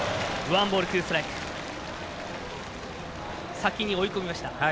先に追い込みました。